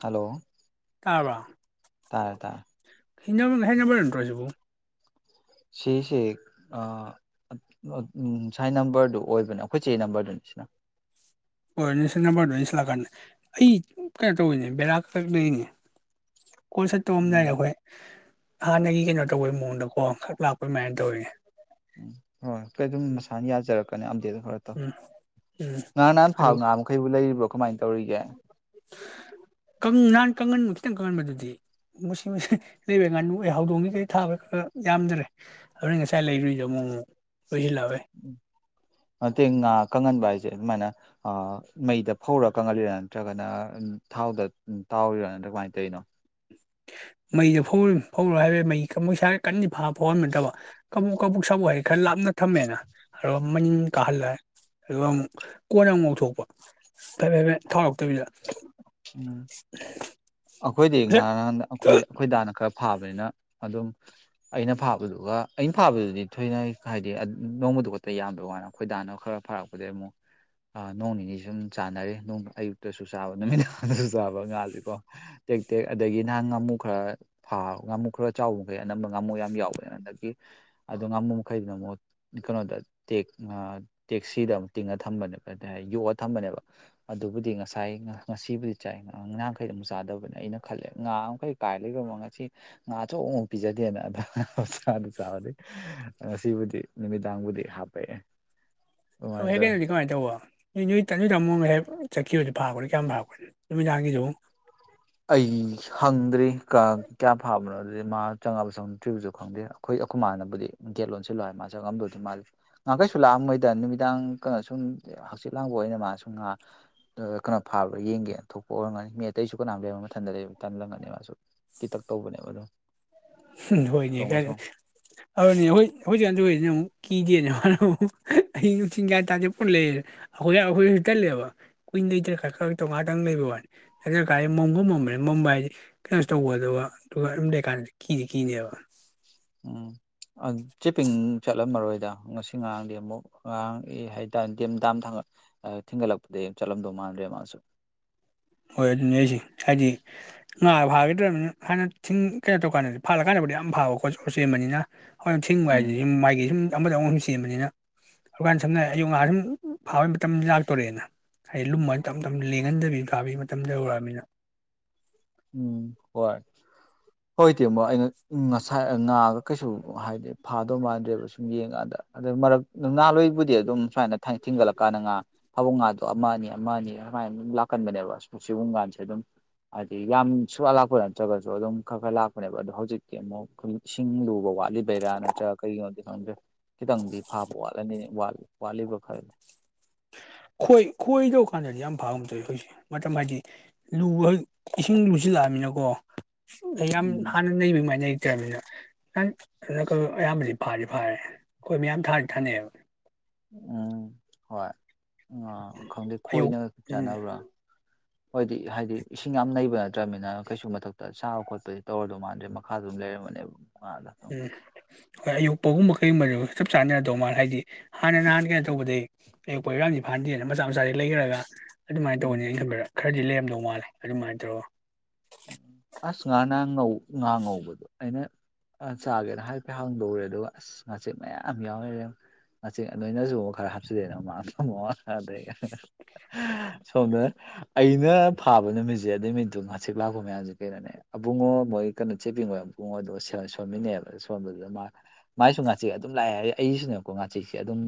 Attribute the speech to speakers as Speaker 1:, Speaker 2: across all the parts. Speaker 1: hello
Speaker 2: ꯇꯥꯕꯔ
Speaker 1: ꯇꯥꯔꯦ ꯇꯥꯔꯦ
Speaker 2: ꯍꯤꯅꯝ ꯍꯦꯟꯅꯝꯕꯔ ꯅꯇꯔ‌ꯣ ꯁꯤꯕꯨ
Speaker 1: ꯁꯤꯁꯦ ꯑ ꯎꯝ ꯁꯥꯏ ꯅꯝꯕꯔꯗꯨ ꯑꯣꯏꯕꯅꯦ ꯑꯩꯈꯣꯏ ꯆꯦ ꯅꯝꯕꯔꯗꯨꯅꯤ ꯁꯤꯅ
Speaker 2: ꯑꯣꯏꯔꯅꯦ ꯁꯤ ꯅꯝꯕꯔꯗꯣ ꯑꯩꯁꯤꯂꯥꯛꯀꯥꯟꯗ ꯑꯩ ꯀꯩꯅꯣ ꯇꯧꯋꯤꯅꯦ ꯕꯦꯔꯥ ꯈꯔ ꯂꯩꯅꯦ ꯀꯣꯜ ꯁꯠ ꯇꯧꯔꯥꯝꯗꯥꯏꯗ
Speaker 1: ꯎꯝ
Speaker 2: ꯑꯩꯈꯣꯏ ꯍꯥꯟꯅꯒꯤ ꯀꯩꯅꯣ ꯇꯧꯕꯩ ꯃꯑꯣꯡꯗꯀꯣ ꯈꯛ ꯂꯥꯛꯄ ꯑꯗꯨꯃꯥꯏꯅ ꯇꯧꯋꯤꯅꯦ
Speaker 1: ꯎꯝ ꯍꯣꯏ ꯗꯩꯗꯨꯝ ꯃꯁꯥꯅ ꯌꯥꯖꯔꯛꯀꯅꯤ ꯑꯝꯗꯦꯗ ꯈꯔ ꯇꯧ
Speaker 2: ꯎꯝ ꯎꯝ
Speaker 1: ꯉꯔꯥꯡ ꯅꯍꯥꯟ
Speaker 2: ꯑꯗꯨ
Speaker 1: ꯐꯥꯜ ꯉꯥꯡ ꯈꯩꯕꯨ ꯂꯩꯔꯤꯕ꯭ꯔꯣ ꯀꯃꯥꯏꯟ ꯇꯧꯔꯤꯒꯦ
Speaker 2: ꯀꯪ ꯅꯥꯟ ꯀꯪꯍꯟ ꯈꯤꯇꯪ ꯀꯪꯍꯟꯕꯗꯨꯗꯤ ꯃꯁꯤ ꯃꯁꯤ ꯂꯩꯕꯩ ꯉꯥꯅꯨ ꯑꯩ ꯍꯧꯗꯣꯡ ꯀꯩ ꯊꯥꯕꯩ ꯈꯔ ꯌꯥꯝꯗ꯭ꯔꯦ ꯑꯗꯨꯏ ꯉꯁꯥꯏ ꯂꯩꯔꯨꯏꯗꯣ ꯑꯃꯨꯛ ꯂꯣꯏꯁꯤꯜꯂꯛꯑꯕꯩ
Speaker 1: ꯅꯠꯇ‌ꯦ ꯉꯥ ꯀꯪꯍꯟꯕ ꯍꯥꯏꯖ‌ꯦ ꯑꯗꯨꯃꯥꯏꯅ ꯃꯩꯗ ꯐꯧꯔꯥ ꯀꯪꯍꯜꯂꯤꯔꯥ ꯅꯠꯇ꯭ꯔꯒꯅ ꯊꯥꯎꯗ ꯇꯥꯎꯔꯤꯔꯥ ꯅꯠꯇ꯭ꯔꯒ ꯀꯃꯥꯏꯅ ꯇꯧꯔꯤꯅꯣ
Speaker 2: ꯃꯩꯗꯣ ꯐꯧ ꯐꯧꯔꯨ ꯍꯥꯏꯕꯩ ꯃꯩ ꯃ‌ꯣꯏꯁꯥꯏ ꯀꯟꯗꯤ ꯐꯥꯕ ꯐꯧꯍꯟꯕ ꯅꯠꯇꯕ ꯀꯕꯨꯛ ꯀꯕꯨꯛ ꯁꯥꯕꯨ ꯍꯩ ꯈꯔ ꯂꯥꯞꯅ ꯊꯝꯃꯦꯅ ꯑꯗꯣ ꯃꯅꯤꯟ ꯀꯥꯍꯜꯂꯦ ꯑꯗꯨꯒ ꯑꯃꯨꯛ ꯀꯣꯟꯅ ꯑꯃꯨꯛ ꯂꯧꯊꯣꯛꯄ ꯍꯥꯏꯐꯦꯠ ꯍꯥꯏꯐꯦꯠ ꯊꯥꯎ ꯌꯧꯇꯕꯤꯗ
Speaker 1: ꯎꯝ ꯑꯩꯈꯣꯏꯗꯤ
Speaker 2: ꯍꯦꯛ
Speaker 1: ꯉꯥꯥꯟꯗ ꯑꯩꯈꯣꯏ ꯑꯩꯈꯣꯏ ꯗꯥꯅ ꯈꯔ ꯐꯥꯕꯅꯤꯅ ꯑꯗꯨꯝ ꯑꯩꯅ ꯐꯥꯕꯗꯨꯒ ꯑꯩꯅ ꯐꯥꯕꯗꯨꯗꯤ ꯊꯣꯏꯅ ꯍꯥꯏꯗꯤ ꯅꯣꯡꯃꯗꯨ ꯈꯛꯇ ꯌꯥꯝꯕꯩ ꯋꯥꯅ‌ꯦ ꯈꯣꯏ ꯗꯥꯅ ꯈꯔ ꯐꯥꯔꯛꯄꯗꯩ ꯑꯃꯨꯛ ꯅꯣꯡ ꯅꯤꯅꯤ ꯁꯨꯝ ꯆꯥꯅꯔꯦ ꯅ‌ꯣꯡ ꯑꯌꯨꯛ ꯇꯁꯨ ꯆꯥꯕ ꯅꯨꯃꯤꯗꯥꯡꯗꯁꯨ ꯆꯥꯕ ꯉꯥꯥꯁꯦꯀꯣ ꯇꯦꯛ ꯇꯦꯛ ꯑꯗꯒꯤ ꯅꯍꯥꯟ ꯉꯥꯃꯨ ꯈꯔ ꯊꯥ ꯉꯥꯃꯨ ꯈꯔ ꯆꯥꯎꯕ ꯃꯈꯩ ꯑꯅꯝꯕ ꯉꯥꯃꯨ ꯌꯥꯝ ꯌꯥꯎꯕꯅꯤꯅ ꯍꯟꯗꯛꯀꯤ ꯑꯗꯣ ꯉꯥꯃꯨ ꯃꯈꯩꯗꯨꯅ ꯑꯃꯨꯛ ꯀꯩꯅꯣꯗ ꯇ‌ꯦꯛ ꯑ ꯇꯦꯛꯁꯤꯗ ꯑꯃꯨꯛ ꯇꯤꯡꯉ ꯊꯝꯕꯅꯦꯕ ꯍꯥꯏ ꯌꯣꯛꯑ ꯊꯝꯕꯅꯦꯕ ꯑꯗꯨꯕꯨꯗꯤ ꯉꯁꯥ ꯉꯁꯏ ꯉꯁꯤꯕꯨꯗꯤ ꯆꯥꯏ ꯉꯥꯈꯩ ꯑꯝ ꯆꯥꯗꯕꯅꯦ ꯑꯩꯅ ꯈꯜꯂꯦ ꯉꯥ ꯃꯈꯩ ꯀꯥꯏ ꯂꯩꯈꯔꯝꯅ‌ꯣ ꯉꯁꯤ ꯉꯥ ꯑꯆꯧꯕ [unintelligible] ꯄꯤꯖꯗꯦꯅ ꯑꯗ ꯑꯗꯨ ꯆꯥꯕꯗꯩ ꯉꯁꯤꯕꯨꯗꯤ ꯅꯨꯃꯤꯗꯥꯡꯕꯨꯗꯤ ꯍꯥꯞꯄꯑꯦ
Speaker 2: [unintelligible] ꯗꯤ ꯀꯃꯥꯏꯅ ꯇꯧꯕ ꯅ‌ꯣ ꯅ‌ꯣꯏ ꯅ‌ꯣꯆ ꯇꯥꯃ‌ꯣ ꯃꯍꯦꯛ ꯆꯠꯈꯤꯕꯗꯨ ꯐꯥꯔꯛꯄꯗꯤ ꯀꯌꯥꯝ ꯐꯥꯔꯛꯄ ꯅꯨꯃꯤꯗꯥꯡꯒꯤꯁꯨ
Speaker 1: ꯑꯩ ꯍꯪꯗ꯭ꯔꯤ ꯀ ꯀꯌꯥ ꯐꯥꯕꯅꯣ ꯑꯗꯨꯗꯤ ꯃꯥ ꯆꯪꯉꯛꯑꯕ ꯆꯪꯉꯛꯗ꯭ꯔꯤꯕꯁꯨ ꯈꯪ ꯗ‌ꯦ ꯑꯩꯈ‌ꯣꯏ ꯑꯈꯣ ꯃꯥꯥꯅꯕꯨꯗꯤ ꯒꯦꯠ ꯂꯣꯟꯁꯤꯜꯂꯣ ꯍꯥꯏ ꯃꯥ ꯆꯪꯉꯝꯗꯣꯏꯗꯤ ꯃꯥꯜꯂꯤ ꯉꯥ ꯀꯩꯁꯨ ꯂꯥꯛꯑꯝꯈꯣꯏꯗ ꯅꯨꯃꯤꯗꯥꯡ ꯀ ꯁꯨꯝ ꯍꯪꯆꯤꯠ ꯂꯥꯡꯕ ꯑꯣꯏꯅ ꯃꯥ ꯁꯨꯝ ꯉꯥꯛ ꯀꯩꯅꯣ ꯐꯥꯕ꯭ꯔꯥ ꯌꯦꯡꯒꯦꯅ ꯊꯣꯛꯄ ꯑꯣꯏꯔꯝꯒꯅꯤ ꯃꯤ ꯑꯇꯩꯁꯨ [unintelligible] ꯕ ꯃꯊꯟꯇ ꯂꯩ ꯇꯟꯂꯝꯒꯅꯦ ꯃꯥꯁꯨ ꯀꯤꯇꯛ ꯇꯧꯕꯅꯦꯕ ꯑꯗꯣ
Speaker 2: ꯍꯣꯏꯅꯦ ꯀꯥꯏꯗ ꯑꯗꯨꯅꯦ ꯍꯣꯏ ꯍꯧꯖꯤꯛꯀꯥꯟꯑ‌ꯣꯏꯁꯤꯅ ꯑꯃꯨꯛ ꯀꯤꯗꯦꯅ ꯃꯥꯅꯃꯨꯛ ꯑꯍꯤꯡ ꯅꯨꯡꯊꯤꯟ ꯒꯌꯥꯟ ꯇꯥꯗꯦ ꯚꯨꯠ ꯂꯩꯌꯦ ꯑꯩꯈꯣꯏ ꯑꯩꯈꯣꯏꯖꯨ ꯇꯜꯂꯦꯕ ꯀꯨꯏꯅ ꯂꯩꯗ꯭ꯔ ꯈꯔ ꯈꯔ ꯇꯧ ꯉꯥꯛꯇꯪ ꯂꯩꯕ ꯋꯥꯅꯤ ꯅ‌ꯣꯏꯀꯥꯏ ꯃꯝꯁꯨ ꯃꯝꯃ‌ꯦ ꯃꯝꯕ ꯍꯥꯏꯁꯦ ꯀꯩꯅꯣ ꯇꯧꯒꯗꯕ ꯑꯗꯨꯒ ꯑꯗꯨꯝ ꯂꯩꯀꯥꯟ ꯀꯤꯗꯤ ꯀꯤꯅꯦꯕ
Speaker 1: ꯎꯝ ꯆꯤꯄꯤꯡ ꯆꯠꯂꯝꯃꯔꯣꯏꯗ ꯉꯁꯤ ꯉꯔꯥꯡꯗꯤ ꯑꯃꯨꯛ ꯑꯉꯥꯡ ꯑꯦ ꯍꯥꯏꯇꯥꯔꯦ ꯗ‌ꯦ ꯗꯥꯝ ꯊꯤꯡꯒꯠꯂꯛꯄꯗꯒꯤ ꯆꯠꯂꯝꯗꯧ ꯃꯥꯟꯗ꯭ꯔꯦ ꯃꯥꯁꯨ
Speaker 2: ꯍꯣꯏ ꯑꯗꯨꯅꯤ ꯍꯩꯁꯦ ꯍꯥꯏꯗꯤ ꯉꯥ ꯐꯥꯒꯤꯗ꯭ꯔꯕꯅꯤꯅ ꯍꯥꯟꯅ ꯊꯤꯡ ꯀꯩꯅꯣ ꯇꯧꯀꯥꯟꯗꯗꯤ ꯐꯥꯂꯀꯥꯟꯗꯕꯨꯗꯤ ꯌꯥꯝ ꯐꯕꯀꯣ [unintelligible] ꯆꯦꯟꯕꯅꯤꯅ ꯍꯣꯏ ꯁꯤꯡꯕ
Speaker 1: ꯎꯝ
Speaker 2: ꯍꯥꯏꯁꯤꯗꯤ ꯁꯨꯝ ꯃꯥꯏꯒꯤ ꯁꯨꯝ ꯑꯃꯗ ꯑꯃ ꯁꯨꯝ ꯆꯦꯟꯕꯅꯤꯅ ꯑꯗꯨꯀꯥꯟꯅ ꯁꯝꯅ ꯍꯥꯏ ꯑꯌꯨꯛ ꯉꯥ ꯁꯨꯝ ꯐꯥꯕꯩ ꯃꯇꯝ ꯂꯥꯛꯇꯣꯔꯦꯅ ꯍꯥꯏꯗꯤ ꯂꯨꯝꯃ ꯇꯞ ꯇꯞꯅ ꯂꯦꯡꯍꯟꯗꯕꯤ ꯀꯥꯕꯤ ꯃꯇꯝꯗ ꯌꯧꯔꯛꯑꯕꯃꯤꯅ
Speaker 1: ꯎꯝ ꯍꯣꯏ
Speaker 2: [inaudible]
Speaker 1: ꯍꯣꯏ ꯏ ꯇꯦꯡꯕꯣ ꯑꯩꯅ ꯉꯁꯥꯏ ꯉꯥꯡꯑꯒ ꯀꯩꯁꯨ ꯍꯥꯏꯗꯤ ꯐꯥꯗꯧ ꯃꯥꯟꯗ꯭ꯔꯦꯕ ꯁꯨꯝ ꯌꯦꯡꯀꯥꯟꯗ ꯑꯗꯨ ꯃꯔꯛ ꯅꯅꯨꯡꯍꯜꯂꯣꯏꯕꯨꯗꯤ ꯑꯗꯨꯝ ꯁꯨꯃꯥꯏꯅ ꯊꯤꯟꯒꯠꯂꯛꯀꯥꯟꯗ ꯉꯥ ꯊꯕꯨꯡ ꯉꯥꯗꯣ ꯑꯃꯅꯤ ꯑꯃ ꯑꯅꯤ ꯁꯃꯥꯏꯅ ꯑꯗꯨꯝ ꯂꯥꯛꯀꯟꯕꯅꯦꯕ ꯑ ꯁꯤꯕꯨꯡꯒꯥꯟꯁꯦ ꯑꯗꯨꯝ ꯍꯥꯏꯗꯤ ꯌꯥꯝ ꯁꯨꯋꯥꯠꯂꯥꯛꯄ ꯅꯠꯇ꯭ꯔꯒꯁꯨ ꯑꯗꯨꯝ ꯈꯔ ꯈꯔ ꯂꯥꯛꯄꯅꯦꯕ ꯑꯗꯣ ꯍꯧꯖꯤꯛꯇꯤ ꯑꯃꯨꯛ ꯏꯁꯤꯡ ꯂꯨꯕ ꯋꯥꯠꯂꯤꯗꯩꯔꯥ ꯅꯠꯇ ꯅꯠꯇ꯭ꯔ ꯀꯩꯒꯤꯅꯣꯗꯤ ꯈꯪꯗ꯭ꯔꯦ ꯈꯤꯇꯪꯗꯤ ꯐꯥꯕ ꯋꯥꯠꯂꯅꯤ ꯋꯥꯠꯂꯤꯕ ꯈꯔꯗꯤ
Speaker 2: ꯈꯣꯏ ꯈꯣꯏ ꯇꯧ ꯀꯥꯟꯗꯗꯤ ꯌꯥꯝ ꯐꯥꯕ ꯇꯧꯋꯦ ꯍꯧꯖꯤꯛꯁꯦ ꯃꯇꯝ ꯍꯥꯏꯗꯤ ꯂꯨꯕ ꯍ ꯏꯁꯤꯡ ꯂꯨꯁꯤꯜꯂꯛꯑꯃꯤꯅꯀꯣ ꯑꯩ ꯌꯥꯝ
Speaker 1: ꯎꯝ
Speaker 2: ꯍꯥꯟꯅ ꯅꯩꯕ ꯑꯗꯨꯃꯥꯏꯅ ꯔꯃꯤꯅ ꯅꯍꯪ ꯑꯌꯥꯝꯕꯗꯤ ꯐꯥꯔꯤ ꯐꯥꯔꯦ ꯑꯩꯈꯣꯏ ꯃꯌꯥꯝ ꯊꯥꯔꯤ ꯊꯥꯅꯩꯑꯕ
Speaker 1: ꯎꯝ ꯍꯣꯏ ꯑ ꯈꯪꯗꯦ
Speaker 2: ꯑꯌꯨꯛ
Speaker 1: ꯈꯣꯏꯅꯒ
Speaker 2: ꯎꯝ
Speaker 1: ꯆꯥꯟꯅꯕ꯭ꯔꯥ ꯍꯣꯏꯗꯤ ꯍꯥꯏꯗꯤ ꯏꯁꯤꯡ ꯌꯥꯝ ꯂꯩꯕ ꯅꯠꯇ꯭ꯔꯅꯤꯅ ꯀꯩꯁꯨ ꯃꯊꯛꯇ ꯆꯥꯕ ꯈꯣꯠꯄꯗꯤ ꯇꯧꯔꯗꯣ ꯃꯥꯟꯗ꯭ꯔꯦ ꯃꯈꯥꯗ ꯑꯗꯨꯝ ꯂꯩꯔꯃꯅꯦꯕ ꯑꯗ
Speaker 2: ꯎꯝ ꯍꯣꯏ ꯑꯌꯨꯚꯒꯨꯝꯕ ꯀꯩꯒꯨꯝꯕꯗꯨ ꯆꯞ ꯆꯥꯟꯅꯅ ꯇꯧ ꯃꯥꯜꯂ ꯍꯥꯏꯗꯤ ꯍꯥꯟꯅ ꯅꯍꯥꯟ ꯀꯩꯅꯣ ꯇꯧꯕꯗꯒꯤ ꯑꯌꯛꯄꯔꯥꯡꯁꯤ ꯐꯍꯟꯗꯦꯗꯅ ꯃꯆꯥ ꯃꯆꯥꯁꯤ ꯂꯩꯈ꯭ꯔꯒ ꯑꯗꯨꯃꯥꯏꯅ
Speaker 1: ꯎꯝ
Speaker 2: ꯇꯧꯕꯅꯦ ꯑꯩ ꯈꯟꯗꯔꯥ ꯈꯔꯗꯤ ꯂꯩꯔꯝꯗꯧ ꯃꯥꯜꯂꯦ ꯑꯗꯨꯃꯥꯏꯅ ꯇꯧꯔꯒ
Speaker 1: ꯎ ꯑꯁ ꯉꯥꯅ ꯉꯧ ꯉꯍꯥ ꯉꯧꯕꯗꯣ ꯑꯩꯅ ꯑ ꯆꯥꯒꯦꯅ ꯍꯥꯏꯐꯦ ꯍꯥꯡꯗꯧꯔꯦ ꯑꯗꯨꯒ ꯑꯁ ꯃꯆꯦꯠ ꯃꯌꯥꯝ ꯌꯥꯎꯅꯔꯦ ꯑꯁꯤ ꯅꯣꯏꯅꯁꯨ ꯈꯔ ꯍꯥꯞꯆꯜꯂꯦꯗꯅ ꯃꯥ ꯑꯗꯩ ꯁꯣꯝꯗ ꯑꯩꯅ ꯐꯥꯕ ꯅꯨꯃꯤꯠꯁꯦ ꯑꯗꯨꯏ ꯃ ꯇ ꯉ ꯁꯤꯛ ꯂꯥꯛꯄ ꯃꯌꯥꯝꯁꯦ ꯀꯩꯅꯣꯅꯦ ꯑꯕꯨꯡꯉꯣ ꯃꯣꯏ ꯀꯩꯅꯣ ꯆꯦꯞꯄꯤꯕꯣꯏ ꯏꯕꯨꯡꯉꯣꯗꯣ ꯁꯣꯟꯃꯤꯟꯅꯩꯕ ꯁꯣꯟꯕꯗꯨꯗ ꯃꯥ ꯃꯥꯏꯁꯨ ꯉꯥꯆꯤ ꯑꯗꯨꯝ ꯂꯥꯛꯑꯦ ꯍꯥꯏ ꯑꯩꯁꯤꯅꯦꯀꯣ ꯉꯥꯆꯤꯁꯦ ꯑꯗꯨꯝ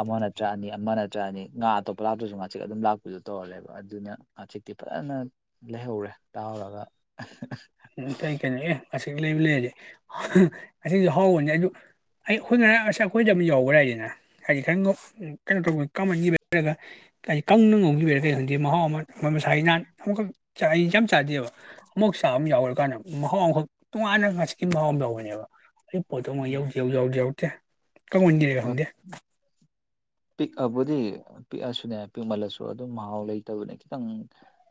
Speaker 1: ꯑꯃ ꯅꯇ꯭ꯔ ꯑꯅꯤ ꯑꯃ ꯅꯠꯇ꯭ꯔꯅꯤ ꯉꯥ ꯑꯇꯣꯞꯄ ꯂꯥꯛꯇ꯭ꯔꯁꯨ ꯉꯥꯁꯤ ꯑꯗꯨꯝ ꯂꯥꯛꯄꯗꯨ ꯇꯧꯔꯦ ꯑꯗꯨꯅ ꯍꯧꯖꯤꯛꯇꯤ ꯐꯖꯅ ꯂꯩꯍꯧꯔꯦ ꯇꯥꯔꯒ
Speaker 2: ꯎ ꯀꯩ ꯀꯩꯅꯣ ꯑꯦ ꯑꯁꯤ ꯂꯩꯕ ꯂꯩꯔꯁꯦ ꯑꯁꯤꯁꯨ ꯍꯥꯎꯕꯅꯦ ꯑꯩ ꯍꯣꯏꯅ ꯑꯁ ꯑꯩꯈꯣꯏꯗ ꯑꯃꯨꯛ ꯌꯎꯕ꯭ꯔꯥ ꯍꯥꯏꯗꯅ ꯍꯥꯏꯗꯤ ꯈꯔꯪ ꯎ ꯀꯩꯅꯣ ꯇꯧꯕꯅꯤ ꯀꯥꯃꯟ ꯍꯥꯏꯔꯒ ꯀ ꯀꯪꯅ ꯉꯝꯈꯤꯕꯔꯥ ꯀꯩ ꯈꯪꯗꯦ ꯃꯍꯥꯎ ꯑꯃ ꯑꯩꯣꯏ ꯃꯁꯥ ꯏꯅꯥꯟ ꯑꯃꯨꯛꯈꯛ ꯆꯥꯛ ꯑꯩꯁꯦ ꯌꯥꯝ ꯆꯥꯗꯦꯕ ꯃꯨꯛ ꯆꯥ ꯑꯃ ꯌꯥꯎꯈ꯭ꯔ ꯀꯥꯟꯗ ꯃꯍꯥꯎ ꯑꯃꯈꯛ ꯇꯣꯉꯥꯟꯅ ꯉꯁꯤꯀꯤ ꯃꯍꯥꯎ ꯑꯃ ꯌꯥꯧꯕꯅꯦꯕ ꯑꯩ ꯄꯣꯠꯇꯣ ꯑꯃꯛ ꯌꯧꯖ ꯎꯖꯥꯎꯗꯦꯎꯗꯦ
Speaker 1: ꯑꯣ ꯄꯤꯛꯑꯕꯨꯗꯤ ꯄꯤꯛꯑꯁꯨꯅꯦ ꯄꯤꯛꯃꯜꯂꯁꯨ ꯑꯗꯨꯝ ꯃꯍꯥꯎ ꯂꯩꯇꯕꯅꯦ ꯈꯤꯇꯪ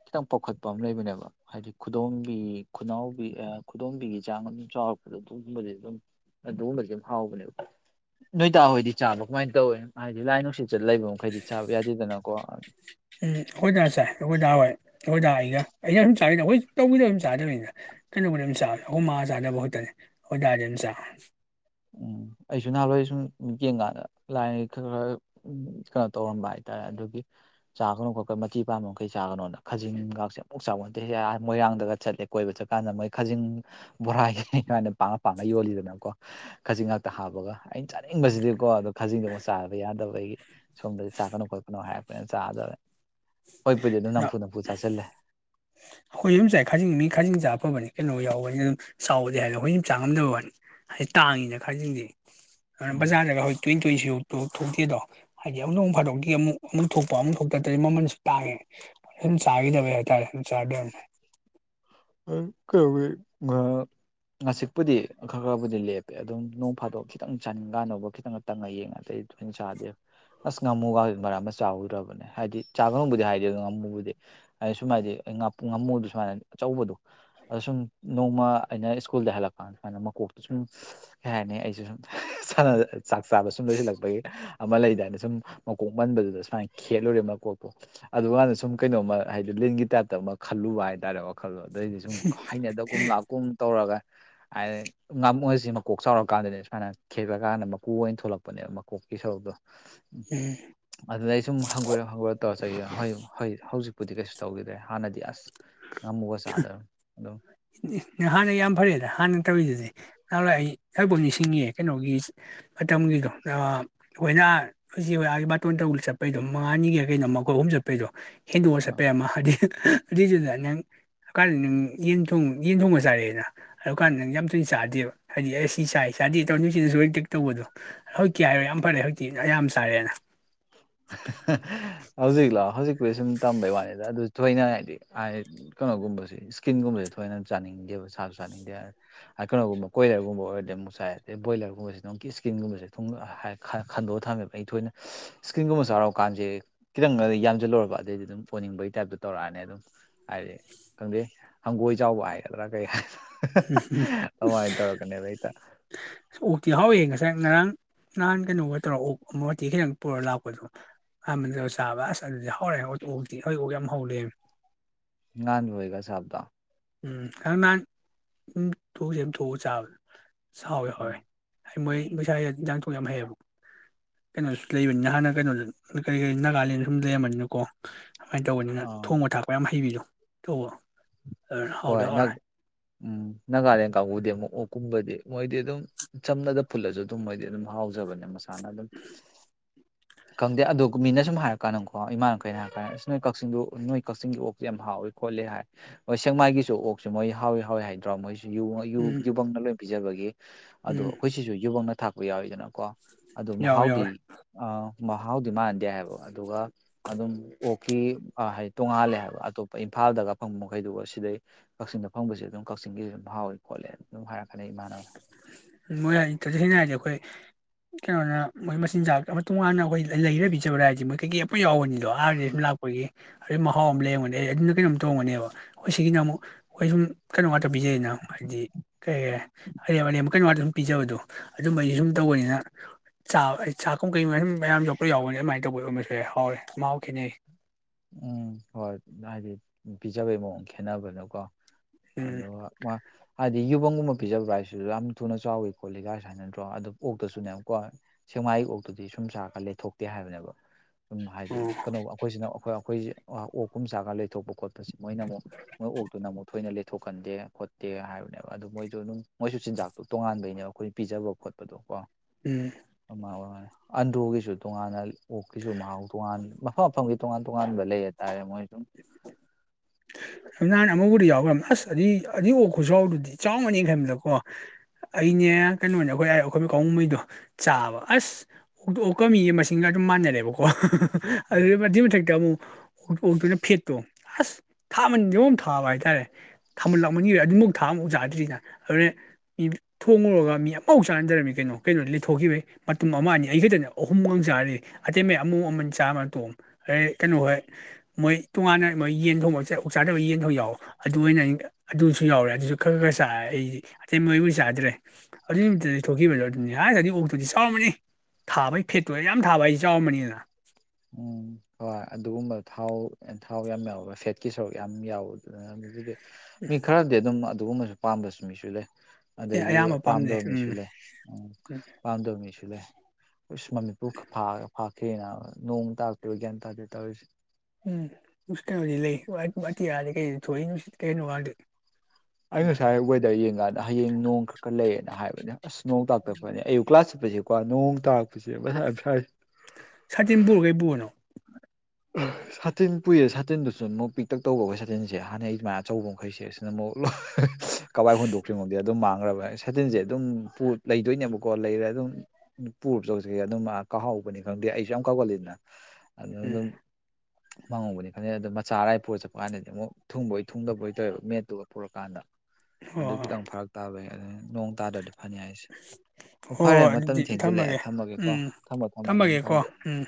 Speaker 1: ꯈꯤꯇꯪ ꯄꯥꯎꯈꯠꯄ ꯑꯃ ꯂꯩꯕꯅꯦꯕ ꯍꯥꯏꯗꯤ ꯈꯨꯗꯣꯝꯕꯤ ꯈꯨꯅꯥꯎꯕꯤ ꯈꯨꯗꯣꯝꯕꯤꯒꯤ ꯆꯥꯡ ꯑꯗꯨꯝ ꯆꯥꯎꯔꯛꯄꯗꯣ ꯑꯗꯨꯒꯨꯝꯕꯗꯤ ꯑꯗꯨꯝ ꯑꯗꯨꯒꯨꯝꯕꯁ ꯌꯥꯝ ꯍꯥꯎꯕꯅꯦꯕ ꯅꯣꯏ ꯇꯍꯣꯏꯗꯤ ꯆꯥꯕ ꯀꯃꯥꯏꯅ ꯇꯧꯋꯦ ꯍꯥꯏꯗꯤ ꯂꯥꯏ ꯅꯨꯡꯁꯤꯠ ꯂꯩꯕ ꯃꯈꯩꯗꯤ ꯆꯥꯕ ꯌꯥꯗꯦꯗꯅꯀꯣ
Speaker 2: ꯎꯝ ꯑꯩꯈꯣꯏꯗꯥ ꯁꯥꯏ ꯑꯩꯈꯣꯏꯗꯥ ꯍꯣꯏ ꯑꯩꯈꯣꯏꯗꯥ ꯑꯩꯒ ꯑꯩꯩꯅ ꯁꯨꯝ ꯆꯥꯗ ꯑꯩꯈꯣꯏ ꯇꯧꯕꯤꯗꯕ ꯁ ꯆꯥꯗꯕꯅꯤꯅ ꯀꯩꯅꯣꯕꯨꯗꯤ ꯑꯗꯨꯝ ꯆꯕꯅꯤ ꯑꯈꯣꯏ ꯃꯥꯥ ꯆꯥꯗꯕ ꯈꯠꯇꯅꯦ ꯈꯣꯏ ꯗꯥꯗꯤ ꯑꯝ ꯆꯕꯅꯤ
Speaker 1: ꯎꯝ ꯑꯩꯁꯨ ꯅꯍꯥꯟꯋꯥꯏ ꯑꯩ ꯁꯨꯝ ꯌꯦꯡꯀꯥꯟꯗ ꯂꯥꯏ ꯈꯔ ꯈꯔ ꯎꯝ ꯀꯩꯅꯣ ꯇꯧꯔꯝꯕ ꯍꯥꯏꯇꯥꯔꯦ ꯑꯗꯨꯒꯤ ꯆꯥꯒꯅꯨ ꯈꯣꯠꯄ ꯃꯆꯤ ꯄꯥ ꯃꯈꯩ ꯆꯥꯒꯅꯨꯅ ꯈꯖꯤꯡꯒꯥꯛꯁꯦ ꯑꯃꯨꯛ ꯆꯥꯎꯕꯦ ꯃꯣꯏꯔꯥꯡꯗꯒ ꯆꯠꯂꯦ ꯀꯣꯏꯕ ꯆꯠꯀꯥꯟꯗ ꯃꯣꯏ ꯈꯥꯖꯤꯡ ꯕꯣꯔꯥꯅꯤꯥꯏꯅ ꯄꯥꯡꯉ ꯄꯥꯡꯉ ꯌꯣꯜꯂꯤꯗꯅꯀꯣ ꯈꯥꯖꯤꯡ ꯉꯥꯛꯇ ꯍꯥꯞꯄꯒ ꯑꯩꯅ ꯆꯥꯅꯤꯡꯕꯁꯤꯗꯤꯀꯣ ꯑꯗꯣ ꯈꯖꯤꯡꯗꯨꯣ ꯑꯃꯨꯛ ꯆꯥꯕ ꯌꯥꯗꯕ ꯑꯩꯒꯤ ꯁꯣꯝꯗꯗꯤ ꯆꯥꯀꯅꯨ ꯈꯣꯠꯀꯅꯨ ꯍꯥꯏꯔꯛꯄꯅꯤꯅ ꯆꯥꯗꯕꯅꯤ ꯍꯣꯏꯄꯨꯗꯤ ꯑꯗꯨꯝ ꯅꯝꯐꯨ ꯅꯝꯐꯨ ꯆꯥꯁꯤꯜꯂꯦ
Speaker 2: ꯍꯣꯏ ꯌ ꯆꯥꯏ ꯈꯥꯖꯤꯡ ꯃꯤ ꯈꯥꯖꯤꯡꯁ ꯑꯐꯕꯅꯤ ꯀꯩꯅꯣ ꯌꯥꯎꯕꯅꯤ ꯑꯗꯨꯝ ꯆꯥꯎꯕꯗꯤ ꯍꯥꯏꯕꯗꯣ ꯍꯈꯣꯏꯁꯨ ꯆꯥꯉꯝꯗꯕ ꯋꯥꯅꯤ ꯍꯥꯏ ꯇꯥꯡꯉꯤꯅ ꯈꯥꯖꯤꯁꯤꯡꯗꯤ ꯑꯗꯨꯅ ꯕꯖꯥꯔꯗꯒ ꯍꯧꯖꯤ ꯇꯨꯋ ꯇꯨꯋꯁꯤ ꯊꯣꯛꯇꯦꯗꯣ ꯍꯥꯏꯗꯤ ꯑꯃꯨꯛ ꯑꯃꯨꯛ ꯐꯗꯣꯛꯇꯦ ꯑꯃꯨꯛ ꯑꯃꯨꯛ ꯊꯣꯛꯄ ꯑꯃꯨꯛ ꯊꯣꯛꯇ꯭ꯔꯗꯤ ꯃꯃꯜꯁꯨ ꯇꯥꯡꯉꯦ ꯆꯈꯤꯗꯕꯩ ꯍꯥꯏꯇꯔꯦ
Speaker 1: ꯀꯧ ꯉ ꯉꯥꯁꯤꯛꯄꯨꯗꯤ ꯈꯔ ꯈꯔꯕꯨꯗꯤ ꯂꯦꯞꯄꯦ ꯑꯗꯨꯝ ꯅꯣꯡ ꯐꯥꯗꯣꯛ ꯈꯤꯇꯪ ꯆꯅꯤꯡ ꯀꯥꯟꯅꯕ ꯈꯤꯇꯪ ꯇꯪꯉ ꯌꯦꯡꯉ ꯑꯇꯩꯗꯤ ꯂꯣꯏꯅ ꯆꯥꯗꯦꯕ ꯑꯁ ꯉꯥꯃꯨꯒꯥꯎꯗꯨꯗꯤ ꯃꯔꯝ ꯑꯃ ꯆꯥꯔꯨꯗ꯭ꯔꯕꯅꯦ ꯍꯥꯏꯗꯤ ꯆꯥꯒꯅꯨꯕꯨꯗꯤ ꯍꯥꯏꯗꯦ ꯉꯥꯃꯨꯕꯨꯗꯤ ꯑꯩ ꯁꯨꯃꯥꯏꯗꯤ ꯑꯩ ꯉꯝꯃꯨꯗ ꯁꯨꯃꯥꯏꯅ ꯑꯆꯧꯕꯗꯣ ꯑꯗꯣ ꯁꯨꯝ ꯅꯣꯡꯃ ꯑꯩꯅ ꯁ꯭ꯀꯨꯜꯗ ꯍꯜꯂꯛꯀꯥꯟꯗ ꯁꯨꯃꯥꯏꯅ ꯃꯀꯣꯛꯇ ꯁꯨꯝ ꯀꯩ ꯍꯥꯏꯅꯤ ꯑꯩꯁꯨ ꯁꯨꯝ ꯆꯥꯛ ꯆꯥꯕ ꯁꯨꯝ ꯂꯣꯏꯁꯤꯜꯂꯛꯄꯒꯤ ꯑꯃ ꯂꯩꯗꯥꯅ ꯁꯨꯝ ꯃꯀꯣꯛ ꯃꯟꯕꯗꯨꯗ ꯁꯨꯃꯥꯏꯅ ꯈꯦꯠꯂꯨꯔꯦ ꯃꯀꯣꯛꯠꯄꯣ ꯑꯗꯨꯀꯥꯟꯗ ꯁꯨꯝ ꯀꯩꯅꯣꯝꯃ ꯍꯥꯏꯗꯤ ꯂꯤꯟꯒꯤ ꯇꯥꯏꯞꯇ ꯑꯃ ꯈꯜꯂꯨꯕ ꯍꯥꯏꯇꯥꯔꯦꯀꯣ ꯈꯜꯂꯣ ꯑꯗꯨꯑꯣꯏꯗꯤ ꯁꯨꯝ ꯍꯩꯅꯗꯕ ꯀꯨꯝ ꯂꯥꯛ ꯀꯨꯝ ꯇꯧꯔꯒ ꯍꯥꯏ ꯉꯝꯃꯣꯏꯁꯤ ꯃꯀꯣꯛ ꯆꯥꯎꯔꯀꯥꯟꯗꯗꯤ ꯁꯨꯃꯥꯏꯅ ꯈꯦꯠꯄ ꯀꯥꯟꯗ ꯃꯀꯨ ꯑꯣꯏꯅ ꯊꯣꯛꯂꯛꯄꯅꯦꯕ ꯃꯀꯣꯛꯀꯤ ꯁꯔꯨꯛꯇꯣ
Speaker 2: ꯎꯝ
Speaker 1: ꯑꯗꯨꯗ ꯑꯩ ꯁꯨꯝ ꯍꯪꯒꯣꯏꯔꯣ ꯍꯪꯒꯣꯏꯒ ꯇꯧꯔ ꯆ ꯍꯣꯏ ꯍꯣꯏ ꯍꯧꯖꯤꯛꯄꯨꯗꯤ ꯀꯩꯁꯨ ꯇꯧꯈꯤꯗ꯭ꯔꯦ ꯍꯥꯟꯅꯗꯤ ꯑꯁ ꯉꯝꯃꯒ ꯁꯥꯗꯔ ꯑꯗꯣ
Speaker 2: ꯍꯥꯟꯅ ꯌꯥꯝ ꯐꯔꯦꯗ ꯍꯥꯟꯅ ꯇꯧꯋꯤꯗꯨꯗꯤ ꯅꯍꯥꯟꯋꯥ ꯑꯩ ꯍꯧ ꯄꯥꯎ ꯅꯤꯡꯁꯤꯡꯉꯦ ꯀꯩꯅꯣꯒꯤ ꯃꯇꯝꯒꯤꯗꯣ ꯑꯩꯈꯣꯏꯅ ꯍꯧꯖꯤꯛꯒꯤ ꯃꯇꯣꯟ ꯇ ꯆꯠꯄꯩꯗꯣ ꯃꯉꯥꯅꯤꯒꯤ ꯀꯩꯅꯣ ꯃꯈꯣꯏ ꯑꯍꯨꯝ ꯆꯠꯄꯩꯗꯣ ꯍꯦꯟꯗꯑ
Speaker 1: ꯑ
Speaker 2: ꯆꯠꯄꯩ ꯑꯃ ꯍꯥꯏꯗꯤ ꯑꯗꯨꯏꯗꯨꯅꯦ ꯅꯪꯀꯥꯟꯗ ꯌꯦꯟ ꯌꯦꯟ ꯊꯣꯡꯉ ꯆꯥꯔꯛꯑꯦꯅ ꯑꯗꯨ ꯀꯥꯟꯗ ꯅꯪ ꯌꯥꯝ ꯊꯨꯅ ꯆꯥꯗꯦꯕ ꯍꯥꯏꯗꯤ ꯑꯩ ꯁꯤ ꯆꯥꯏ ꯆꯥꯗꯦ ꯇꯧ ꯅꯨꯡꯁꯤꯅ ꯁ ꯇꯦꯛ ꯇꯧꯕꯗꯣ ꯍꯧꯖꯤꯛꯇꯤ ꯍꯥꯏꯔꯦ ꯌꯥꯝ ꯐꯔꯦ ꯍꯧꯖꯤꯛꯇꯤ ꯌꯥꯝ ꯆꯥꯔꯦꯅ
Speaker 1: ꯍꯧꯖꯤꯛ ꯂꯥꯛꯑꯣ ꯍꯧꯖꯤꯛꯄꯨꯗꯤ ꯁꯨꯝ ꯇꯝꯕꯩ ꯋꯥꯅꯤꯗ ꯑꯗꯨ ꯊꯣꯏꯅ ꯍꯥꯏꯗꯤ ꯀꯩꯅꯣꯒꯨꯝꯕꯁꯦ ꯏꯁꯀꯤꯟꯒꯨꯝꯕꯁꯦ ꯊꯣꯏꯅ ꯆꯥꯅꯤꯡꯗꯦꯕ ꯁꯥꯁꯨ ꯆꯥꯅꯤꯡꯗꯦ ꯍꯥꯏ ꯀꯩꯅꯣꯒꯨꯝꯕ ꯀꯣꯏꯂꯔꯒꯨꯝꯕ ꯑꯣꯏꯔꯗꯤ ꯑꯃꯨꯛ ꯆꯥꯏꯗꯤ ꯕꯣꯏꯂꯔꯒꯨꯝꯕꯁꯤ ꯅꯛꯒꯤ ꯏꯁꯀꯤꯟꯒꯨꯝꯕꯁꯤ ꯊꯨꯡ ꯈꯟꯗꯣꯛꯑ ꯊꯝꯃꯦꯕ ꯑꯩ ꯊꯣꯏꯅ
Speaker 2: [inaudible]
Speaker 1: ꯏꯁꯀ꯭ꯔꯤꯟꯒꯨꯝꯕ ꯆꯥꯎꯔꯛꯀꯥꯟꯁꯦ ꯈꯤꯇꯪ ꯌꯥꯝꯁꯤꯜꯂꯨꯔꯕ ꯑꯗꯨꯑꯣꯏꯗꯤ ꯑꯗꯨꯝ ꯑꯣꯅꯤꯡꯕꯒꯤ ꯇꯥꯏꯞꯇꯣ ꯇꯧꯔꯛꯑꯅꯤ ꯑꯗꯨꯝ ꯍꯥꯏꯗꯤ ꯈꯪꯗꯦ ꯍꯪꯒꯣꯏ ꯆꯥꯎꯕ ꯍꯥꯏꯒꯗ꯭ꯔꯥ ꯀꯩ ꯍꯥꯏꯥ ꯍꯦꯛꯇ
Speaker 2: ꯎꯝ ꯑꯣꯛꯇꯤ ꯍꯥꯎꯋꯦ ꯉꯁꯥꯏ ꯉꯔꯥꯡ ꯅꯍꯥꯟ ꯀꯩꯅꯣꯒ ꯇꯧꯔꯒ ꯑꯣꯛ ꯑꯃꯇꯤ ꯈꯤꯇꯪ ꯄꯨꯔꯒ ꯂꯥꯛꯄꯗꯣ ꯑꯍꯥꯟꯕꯗꯁꯨ ꯆꯥꯕ ꯑꯁ ꯑꯗꯨꯗꯤ ꯍꯧꯔꯦ ꯑꯣꯛꯇꯤ ꯍꯖꯤ ꯑꯣꯛ ꯌꯥꯝ ꯍꯧꯔꯛꯦ
Speaker 1: ꯉꯥꯟꯅ ꯑꯣꯏꯣꯏꯒ ꯁꯥꯕꯗ
Speaker 2: ꯎꯝ ꯉ ꯅꯍꯥꯟ ꯇꯨꯁꯦ ꯊꯣꯛꯎ ꯆꯥꯕꯗ ꯁꯥꯎꯋꯦ
Speaker 1: ꯎꯝ
Speaker 2: ꯍꯥꯎꯋꯦ ꯍꯥꯏ ꯃꯣꯏ ꯄꯩꯁꯥ ꯌꯦꯟꯖꯥꯡ ꯆꯣꯛ ꯌꯥꯝ ꯍꯩꯌꯦꯕ ꯀꯩꯅꯣꯁꯨ ꯂꯩꯕꯅꯤ ꯍꯥꯟꯅ ꯀꯩꯅꯣꯗ ꯀꯔꯤ ꯀꯔꯤ ꯅꯥꯒꯥꯂꯦꯟ ꯁꯨꯝ ꯂꯩꯔꯝꯕꯅꯤꯅꯀꯣ ꯑꯗꯨꯃꯥꯏꯅ ꯇꯧꯕꯅꯤꯅ
Speaker 1: ꯑꯥ
Speaker 2: ꯊꯣꯡꯕ ꯊꯥꯛꯄ ꯌꯥꯝ ꯍꯩꯕꯤꯗꯣ ꯇꯧꯕꯣ
Speaker 1: ꯍꯣꯏ ꯎꯝ ꯅꯒꯥꯂꯦꯟ ꯀꯥꯡꯕꯨꯗꯤ ꯑꯃꯨꯛ ꯑꯣꯀꯨꯝꯕꯗꯤ ꯃꯣꯏꯗꯤ ꯑꯗꯨꯝ ꯆꯝꯅꯗ ꯄꯨꯜꯂꯁꯨ ꯑꯗꯨꯝ ꯃꯣꯏꯗꯤ ꯑꯗꯨꯝ ꯍꯥꯎꯖꯕꯅꯦ ꯃꯁꯥꯅ ꯑꯗꯨꯝ ꯈꯪꯗꯦ ꯑꯗꯨ ꯃꯤꯅ ꯁꯨꯝ ꯍꯥꯏꯔꯛꯀꯥꯟꯗꯀꯣ ꯏꯃꯥꯟꯅꯈꯩꯅ ꯍꯥꯏꯔ ꯀꯥꯟꯗ ꯑꯁ ꯅꯣꯏ ꯀꯛꯆꯤꯡꯗꯣ ꯅꯣꯏ ꯀꯛꯆꯤꯡꯒꯤ ꯑꯣꯛꯁꯦ ꯌꯥꯝ ꯍꯥꯎꯋꯤ ꯀꯣꯂꯦ ꯍꯥꯏ ꯁꯦꯡꯃꯥꯏꯒꯤꯁꯨ ꯑꯣꯛꯁꯨꯦ ꯃꯣꯏ ꯍꯥꯎꯋꯤ ꯍꯥꯎꯋꯏ ꯍꯥꯏꯗ꯭ꯔꯣ ꯃꯣꯏꯁꯨ
Speaker 2: ꯎꯝ
Speaker 1: ꯌꯨꯕꯪꯅ ꯂꯣꯏ ꯄꯤꯖꯕꯒꯤ ꯑꯗꯣ
Speaker 2: ꯎꯝ
Speaker 1: ꯑꯩꯈꯣꯏ ꯁꯤꯁꯨ ꯌꯨꯕꯪꯅ ꯊꯥꯛꯄ ꯌꯥꯎꯋꯤꯗꯅꯀꯣ ꯑꯣ
Speaker 2: ꯌꯥꯎꯋꯦ
Speaker 1: ꯃꯍꯥꯎꯗꯤ
Speaker 2: ꯌꯥꯎꯋꯦ
Speaker 1: ꯑ ꯃꯍꯥꯎꯗꯤ ꯃꯥꯟꯗꯦ ꯍꯥꯏꯕ ꯑꯗꯨꯒ ꯑꯗꯨꯝ ꯑꯣꯛꯈꯤ ꯍꯥꯏꯗꯤ ꯇꯣꯡꯉꯥꯜꯂꯦ ꯍꯥꯏꯕ ꯑꯇꯣꯞꯄ ꯏꯝꯐꯥꯜꯗꯒ ꯐꯪꯕ ꯃꯈꯩꯗꯨꯒꯁ ꯁꯤꯗꯩ ꯀꯛꯆꯤꯡꯗ ꯐꯪꯁꯦ ꯑꯗꯨꯝ ꯀꯛꯆꯤꯡꯒꯤꯁꯨ ꯑꯗꯨꯝ ꯍꯥꯎꯋ ꯈꯣꯠꯂꯦ ꯑꯗꯨꯝ ꯍꯥꯏꯔꯛꯀꯅꯤ ꯏꯃꯥꯟꯅꯕꯅ
Speaker 2: ꯃꯣꯏ ꯍꯥꯏ ꯏꯟꯇꯔꯁꯅ ꯍꯥꯏꯔꯗꯤꯦ ꯑꯩꯈꯣꯏ ꯀꯩꯅꯣꯅ ꯃꯣꯏ ꯃꯆꯤꯟꯖꯥꯛ ꯑꯃ ꯇꯣꯉꯥꯟꯅ ꯑꯩꯈꯣꯏ ꯂꯩꯔꯕꯤꯖꯕ꯭ꯔꯥ ꯍꯥꯏꯗꯤꯦ ꯃꯣꯏ ꯀꯩꯀꯩ ꯑꯃꯝꯛ ꯌꯥꯎꯕꯅꯤꯗꯣ ꯑꯥꯔꯗꯤ ꯁꯨꯝ ꯂꯥꯛꯄ ꯑꯩꯈꯣꯏꯒꯤ ꯑꯗꯩ ꯃꯍꯥꯎ ꯑꯃ ꯂꯩꯔꯝꯒꯅꯤ ꯑꯩ ꯑꯗꯨꯅ ꯀꯩꯅꯣꯝ ꯇꯧꯔꯝꯒꯅꯦꯕ ꯑꯩꯈꯣꯏ ꯁꯤꯒꯤꯅ ꯑꯃꯨꯛ ꯑꯩꯈꯣꯏ ꯁꯨꯝ ꯀꯩꯅꯣ ꯉꯥꯛꯇ ꯄꯤꯖꯩꯗꯅ ꯍꯥꯏꯗꯤ ꯀꯩ ꯍꯥꯏꯒꯔꯦ ꯑꯔꯦ ꯑꯔ ꯀꯩꯅꯣ ꯉꯥꯛꯇꯥ ꯁꯨꯝ ꯄꯤꯖꯕꯗꯣ ꯑꯗꯨꯝꯕ ꯑꯩꯁꯨ ꯁꯨꯝ ꯇꯧꯕꯅꯤꯅ ꯆꯥꯛ ꯑꯩ ꯆꯥꯛ ꯀꯨꯝ ꯀꯩꯒꯨꯝ ꯁꯨꯝ ꯃꯌꯥꯝ ꯌꯥꯎꯕꯅꯤ ꯑꯗꯨꯃꯥꯏꯅ ꯇꯧꯕꯒꯤ ꯑꯃꯁꯨ ꯌꯥꯏ ꯍꯥꯎꯔꯦ ꯃꯍꯥꯎꯈꯦꯠꯅꯩ
Speaker 1: ꯎꯝ ꯍꯣꯏ ꯍꯥꯏꯗꯤ ꯄꯤꯖꯕꯩ ꯃꯑꯣꯡ ꯈꯦꯠꯅꯕꯗꯣꯀꯣ
Speaker 2: ꯎꯝ
Speaker 1: ꯑꯗꯨꯒ ꯍꯥꯏꯗꯤ ꯌꯨꯄꯪꯒꯨꯝꯕ ꯄꯤꯖꯕ ꯍꯥꯏꯁꯤꯁꯨ ꯌꯥꯝ ꯊꯨꯅ ꯆꯥꯎꯋꯤ ꯈꯣꯠꯂꯤꯀꯥꯏ ꯁꯨ ꯍꯥꯥꯏꯅ ꯍꯥꯏꯗ꯭ꯔꯣ ꯑꯗꯨ ꯑꯣꯛꯇꯁꯨꯅꯦꯕꯀꯣ ꯁꯦꯛꯃꯥꯏꯒꯤ ꯑꯣꯛꯇꯨꯗꯤ ꯁꯨꯝ ꯆꯥ ꯀꯥꯟꯗ ꯂꯦꯛꯊꯣꯛꯇꯦ ꯍꯥꯏꯕꯅꯦꯕ ꯁꯨꯝ ꯍꯥꯏꯗꯤ
Speaker 2: ꯑꯣ
Speaker 1: ꯀꯩꯅꯣ ꯑꯩꯈꯣꯏꯁꯤꯅ ꯑꯩꯈꯣꯏ ꯑꯩꯈꯣꯏꯁꯤ ꯑꯣꯛꯀꯨꯝ ꯆꯥꯔꯒ ꯂꯦꯛꯊꯣꯛꯄ ꯈꯣꯠꯄ ꯃꯣꯏꯅ ꯑꯃꯨꯛ ꯃꯣꯏ ꯑꯣꯛꯇꯨꯅ ꯑꯃꯨꯛ ꯊꯣꯏꯅ ꯊꯣꯛꯀꯟꯗꯦ ꯈꯣꯠꯇꯦ ꯍꯥꯏꯕꯅꯦꯕ ꯑꯗꯨ ꯃꯣꯏꯁꯨ ꯑꯗꯨꯝ ꯃꯣꯏꯁꯨ ꯆꯤꯟꯖꯥꯛꯇꯣ ꯇꯣꯉꯥꯟꯕꯩꯅꯦꯕ ꯑꯩꯈꯣꯏꯅ ꯄꯤꯖꯕ ꯈꯣꯠꯄꯗꯣ ꯀꯣ
Speaker 2: ꯎꯝ
Speaker 1: ꯑꯟꯗ꯭ꯔꯣꯒꯤꯁꯨ ꯇꯣꯉꯥꯟꯅ ꯑꯣꯛꯀꯤꯁꯨ ꯃꯍꯥꯎ ꯇꯣꯉꯥꯟ ꯃꯐꯝ ꯃꯐꯝꯒꯤ ꯇꯣꯉꯥꯟ ꯇꯣꯉꯥꯟꯕ ꯂꯩ ꯍꯥꯏꯇꯥꯔꯦ ꯃꯣꯏ ꯑꯗꯨꯝ
Speaker 2: [inaudible] ꯅꯍꯥꯟ ꯑꯃꯨꯕꯨꯗꯤ ꯌꯥꯎꯈ꯭ꯔꯕꯅꯤ ꯑꯁ ꯑꯗꯨ ꯑꯗꯨ ꯑꯣꯛ ꯈꯨꯆꯥꯎꯗꯨꯗꯤ ꯆꯥꯎꯕꯅꯦꯅꯤ ꯈꯟꯕꯗꯀꯣ ꯑꯩꯅꯦ ꯀꯩꯅꯣꯅꯦ ꯑꯩꯈꯣꯏ ꯑꯩꯈꯣꯏ ꯀꯥꯎꯉꯨꯝꯉꯩꯗꯣ ꯆꯥꯕ ꯑꯁ ꯑꯣꯛꯇꯣ ꯑꯣꯛꯀ ꯃꯤꯒꯤ ꯃꯁꯤꯡꯒ ꯑꯗꯨꯝ ꯃꯥꯟꯅꯔꯦꯕꯀꯣ ꯑꯗꯨꯗ ꯑꯗꯨꯏ ꯃꯊꯛꯇ ꯑꯃꯨꯛ ꯑꯣꯛꯇꯨꯅ ꯐꯦꯠꯇꯣ ꯑꯁ ꯊꯥꯃꯟ ꯊꯥꯕ ꯍꯥꯏꯇꯥꯔꯦ ꯊꯥꯃꯜ ꯂꯛꯃꯟꯒꯔꯦ ꯑꯗꯨꯃꯨꯛ ꯊꯥꯕ ꯑꯃꯕꯨꯛ ꯆꯥꯗ꯭ꯔꯤꯅ ꯑꯗꯨꯅꯦ ꯃꯤ ꯊꯣꯡꯂꯨꯔꯒ ꯃꯤ ꯑꯃꯐꯥꯎ ꯆꯥꯅꯗꯔꯕꯃꯤ ꯀꯩꯅꯣ ꯀꯩꯅꯣꯗꯣ ꯂꯦꯛꯊꯣꯛꯈꯤꯕꯩ ꯃꯇꯨꯝ ꯑꯃꯅꯤ ꯑꯩꯈꯛꯇꯅ ꯑꯍꯨꯝꯒ ꯆꯥꯔꯤ ꯑꯇꯩ ꯃ ꯑꯃꯨꯛ ꯑꯃꯟ ꯆꯥꯃ ꯇꯣꯝ ꯀꯩꯅꯣ ꯍꯣꯏ ꯃꯣꯏ ꯇꯣꯉꯥꯟꯅ ꯃꯣꯏ ꯌꯦꯟ ꯊꯣꯡ ꯆꯥꯗꯕ ꯌꯦꯟꯊꯣꯡ ꯌꯥꯎꯋ ꯑꯗꯨ ꯑꯣꯏꯅ ꯑꯗꯨꯁꯨ ꯌꯥꯎꯔꯦ ꯑꯗꯨꯁꯨ ꯈꯔ ꯈꯔ ꯈꯔ ꯆꯥꯦ ꯑꯩ ꯑꯇꯩ ꯃꯣꯏꯕꯨ ꯆꯥꯗ꯭ꯔꯦ ꯑꯗꯨꯏ ꯅꯨꯃꯤꯠꯇꯗꯤ ꯊꯣꯛꯈꯤꯕꯗ ꯑꯗꯨꯅꯤ ꯍꯥꯏꯗꯤ ꯑꯣꯛꯇꯣꯗꯤ ꯆꯥꯎꯔꯃꯅꯤ ꯊꯥꯕꯩ ꯐꯦꯠꯇꯣ ꯌꯥꯝ ꯊꯥꯕ ꯑꯩꯁꯦ ꯆꯥꯎꯔꯝꯕꯅꯤꯗꯅ
Speaker 1: ꯎꯝ ꯍꯣꯏ ꯑꯗꯨꯒꯨꯝꯕ ꯊꯥꯎ ꯊꯥꯎ ꯌꯥꯝ ꯌꯥꯎꯕ ꯐꯦꯠꯀꯤ ꯁꯔꯨꯛ ꯌꯥꯝ ꯌꯥꯎꯕ ꯑꯗꯨꯗꯅ ꯍꯧꯖꯤꯛ ꯃꯤ ꯈꯔꯗꯤ ꯑꯗꯨꯝ ꯑꯗꯨꯒꯨꯝꯕꯁꯨ ꯄꯥꯝꯕꯁꯨ ꯃꯤꯁꯨ ꯂꯩ
Speaker 2: ꯑꯦ
Speaker 1: ꯑꯗꯒꯤ
Speaker 2: ꯑꯌꯥꯝꯕ ꯄꯥꯝꯅꯩ
Speaker 1: ꯄꯥꯝꯗꯕ ꯃꯤꯁꯨ
Speaker 2: ꯎꯝ
Speaker 1: ꯂꯩ ꯎꯝ ꯄꯥꯝꯗꯕ ꯃꯤꯁꯨ ꯂꯩ ꯑꯁ ꯃꯃꯤꯠꯄꯨ ꯐꯥꯈꯤꯅꯦ ꯅꯣꯡ ꯇꯥꯥꯔꯛꯇꯣꯏꯔ ꯒꯌ꯭ꯥꯟ ꯇꯥꯗꯦ
Speaker 2: ꯎꯝ ꯀꯩꯅꯣꯗꯤ ꯂꯩꯇꯤ ꯑꯗꯤ ꯀꯩ ꯊꯣꯛꯏ ꯅꯨꯡꯁꯤꯠ ꯀꯩꯅꯣ ꯋꯥꯗꯦ
Speaker 1: ꯑꯩ ꯉꯁꯥꯏ ꯋꯦꯗꯔ ꯌꯦꯡꯀꯥꯟꯗ ꯍꯌꯦꯡ ꯅꯣꯡ ꯈꯔ ꯈꯔ ꯂꯩꯌꯦꯅ ꯍꯥꯏꯕꯅꯦ ꯑꯁ ꯅꯣꯡ ꯇꯥꯔꯛꯇꯔ꯭ꯥ ꯗꯤ ꯐꯅꯤ ꯑꯌꯨꯛ ꯀ꯭ꯂꯥꯁ ꯆꯠꯄꯁꯦꯀꯣ ꯅꯣꯡ ꯇꯥꯔꯛꯄꯁꯦ ꯃꯊꯥ ꯁꯥꯏ
Speaker 2: ꯁꯇꯤꯟ ꯄꯨꯕ꯭ꯔꯣ ꯀꯩ ꯄꯨꯕꯅꯣ [inaudible]
Speaker 1: ꯁꯥꯇꯤꯟ ꯄꯨꯏꯌꯦ ꯁꯥꯇꯤꯟꯗꯨꯁꯨ ꯑꯃꯨꯛ ꯄꯤꯛꯇꯛ ꯇꯧꯕ ꯑꯩꯈꯣꯏ ꯁꯥꯇꯤꯟꯁꯦ ꯍꯥꯟꯅꯩ ꯑꯗꯨꯃꯥꯏꯅ ꯑꯆꯧꯕ ꯃꯈꯩꯁꯦ ꯁꯤꯅ ꯑꯃꯨꯛ ꯀꯋꯥꯏ ꯍꯨꯟꯗꯣꯛꯈꯔ꯭ꯤ ꯃꯣ ꯈꯪꯗꯦ ꯑꯗꯨꯝ ꯃꯥꯡꯈ꯭ꯔꯕ ꯁꯇꯤꯟꯁꯦ ꯑꯗꯨꯝ ꯂꯩꯗꯣꯏꯅꯦꯕꯀꯣ ꯂꯩꯔꯦ ꯑꯗꯨꯝ ꯄꯨꯔ ꯆꯧꯁꯤꯒꯦ ꯑꯗꯨꯝ ꯀꯥꯎꯍꯧꯕꯅꯤ ꯈꯪꯗꯦ ꯑꯩꯁꯨ ꯌꯥꯝ ꯀꯥꯎꯒꯠꯂꯤꯗꯅ ꯑꯗꯨꯅ
Speaker 2: ꯎꯝ
Speaker 1: ꯑꯗꯨꯝ ꯃꯪꯉꯧꯕꯅꯤ ꯈꯟꯖꯩ ꯑꯗꯣ ꯃꯆꯥ ꯑꯔꯥꯏ ꯄꯨꯔ ꯆꯠꯄ ꯀꯥꯟꯗꯗꯤ ꯑꯃꯨꯛ ꯊꯨꯡꯕꯣꯏ ꯊꯨꯡꯗꯕꯣꯏ ꯇꯧꯋꯦꯕ ꯕꯦꯒꯇꯨꯒ ꯄꯨꯔꯛꯀꯥꯟꯗ
Speaker 2: ꯍꯣꯏ
Speaker 1: ꯑꯗꯨ
Speaker 2: ꯍꯣꯏ
Speaker 1: ꯈꯤꯇꯪ ꯐꯔꯛ ꯇꯥꯕꯩ ꯑꯗꯨ ꯅꯣꯡ ꯇꯥꯗ꯭ꯔꯗꯤ ꯐꯅꯤ ꯍꯥꯏꯁꯦ ꯑꯣ ꯐꯔꯦ
Speaker 2: ꯍꯣꯏ
Speaker 1: ꯃꯇꯝ
Speaker 2: ꯑꯗꯨꯗꯤ
Speaker 1: ꯊꯦꯡꯖꯤꯜꯂꯛꯑꯦ
Speaker 2: ꯊꯝꯃꯒꯦ
Speaker 1: ꯊꯝꯃꯒꯦꯀꯣ
Speaker 2: ꯎꯝ
Speaker 1: ꯊꯝꯃꯣ ꯊꯝꯃꯣ ꯅꯪ
Speaker 2: ꯊꯝꯃꯒꯦꯀꯣ
Speaker 1: ꯊꯝꯃꯣ ꯎ
Speaker 2: ꯎꯝ